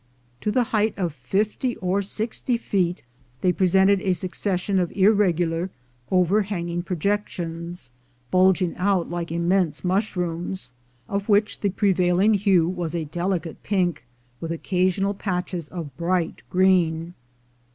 To the height of fifty or sixty feet they presented a succession of irregular overhang ing projections, bulging out like immense mushrooms, of which the prevailing hue was a delicate pink, with occasional patches of bright green.